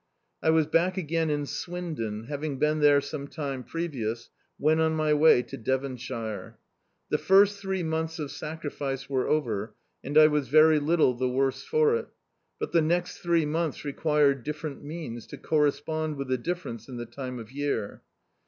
I was back again in Swindon, having been there some time previous, when on my way to Devonshire. The first three months of sacri fice were over, and I was very little the worse for it; but the next three mondis required different means, to correspcaid with the difference in the time of year.